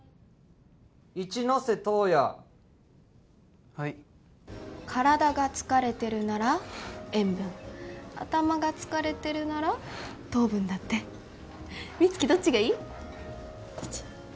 一ノ瀬斗也はい体が疲れてるなら塩分頭が疲れてるなら糖分だって美月どっちがいい？どっち？